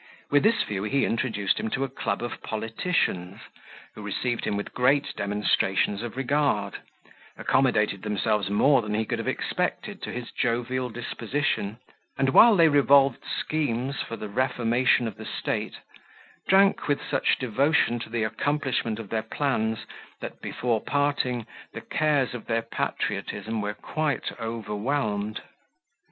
With this view he introduced him into a club of politicians, who received him with great demonstrations of regard, accommodated themselves more than he could have expected to his jovial disposition, and while they revolved schemes for the reformation of the state, drank with such devotion to the accomplishment of their plans, that, before parting, the cares of their patriotism were quite overwhelmed.